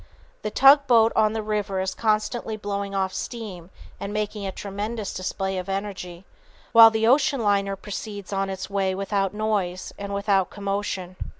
The tug boat on the river is constantly blowing off steam and making a tremendous display of energy, while the ocean liner proceeds on its way without noise and without commotion.